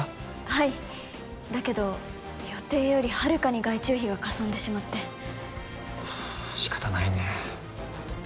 はいだけど予定よりはるかに外注費がかさんでしまってはあ仕方ないね